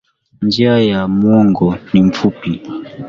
Njia ya mwongo ni fupi.